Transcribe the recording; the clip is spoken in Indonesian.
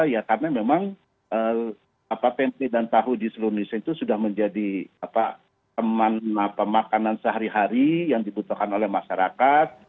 ya karena memang tempe dan tahu di seluruh indonesia itu sudah menjadi teman makanan sehari hari yang dibutuhkan oleh masyarakat